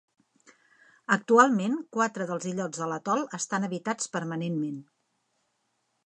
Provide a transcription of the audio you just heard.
Actualment, quatre dels illots de l'atol estan habitats permanentment.